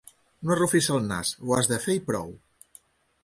No arrufis el nas: ho has de fer i prou.